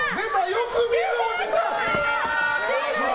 よく見るおじさん！